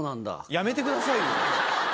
やめてくださいよ。